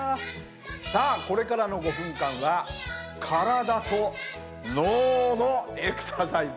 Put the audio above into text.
さあこれからの５分間は体と脳のエクササイズ。